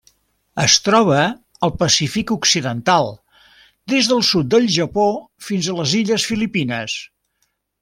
Es troba al Pacífic occidental: des del sud del Japó fins a les illes Filipines.